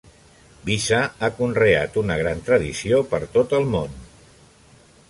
Visa ha conreat una gran tradició per tot el món.